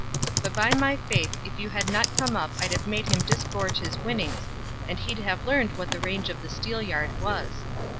But by my faith if you had not come up I'd have made him disgorge his winnings, and he'd have learned what the range of the steel yard was."